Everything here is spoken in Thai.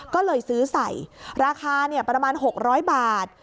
ก็เลยซื้อใส่ราคาประมาณ๖๐๐บาท